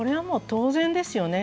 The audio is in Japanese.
当然ですね。